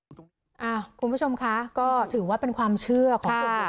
อ่าคุณผู้ชมคะก็ถือว่าเป็นความเชื่อของ